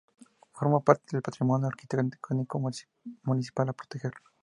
Forma parte del patrimonio arquitectónico municipal a proteger.